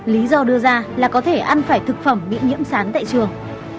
lý do đưa ra là có thể ăn phải thực phẩm bị nhiễm sán tại trường